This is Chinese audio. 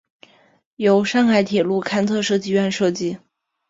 由上海铁路局勘测设计院设计。